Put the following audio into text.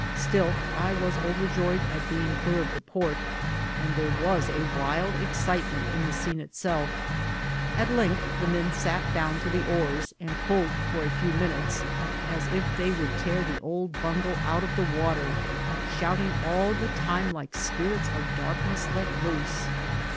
Still I was overjoyed at being clear of the port, and there was a wild excitement in the scene itself. At length the men sat down to the oars, and pulled for a few minutes as if they would tear the old A B U N G O. 35 bungo out of the water, shouting all the time like spirits of darkness let loose.